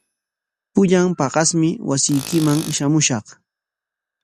Pullan paqasmi wasiykiman shamushaq.